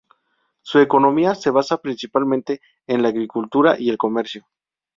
Su economía se basa principalmente en la agricultura y el comercio.